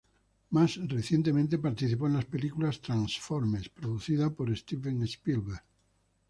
Más recientemente, participó en las películas "Transformers", producida por Steven Spielberg.